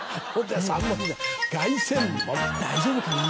大丈夫かな？